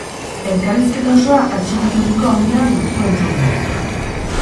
Elkarrizketa osoa atxikituriko audioan duzu entzungai!